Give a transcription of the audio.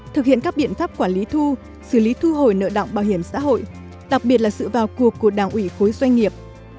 thực hiện các biện pháp quản lý thu xử lý thu hồi nợ động bảo hiểm xã hội đặc biệt là sự vào cuộc của đảng ủy khối doanh nghiệp